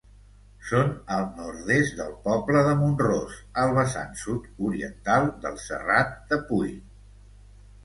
Són al nord-est del poble de Mont-ros, al vessant sud-oriental del Serrat de Pui.